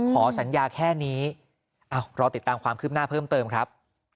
ขอสัญญาแค่นี้รอติดตามความคืบหน้าเพิ่มเติมครับ